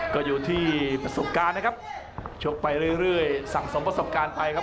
ก็อยู่ที่ประสบการณ์นะครับชกไปเรื่อยสั่งสมประสบการณ์ไปครับ